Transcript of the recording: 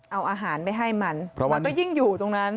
เอาอาหารไปให้มันมันก็ยิ่งอยู่ตรงนั้น